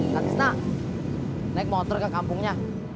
kak tisna naik motor ke kampungnya